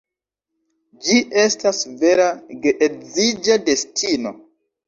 Ĝi estas vera geedziĝa destino.